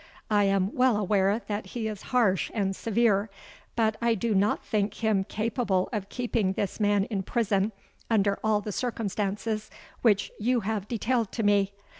I am well aware that he is harsh and severe; but I do not think him capable of keeping this man in prison under all the circumstances which you have detailed to me.